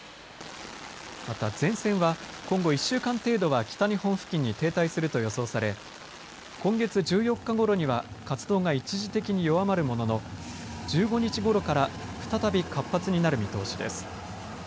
また前線は今後１週間程度は北日本付近に停滞すると予想され今月１４日ごろには活動が一時的に弱まるものの１５日ごろから再び活発になる見通しです。